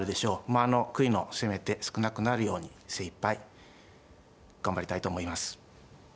悔いのせめて少なくなるように精いっぱい頑張りたいと思います。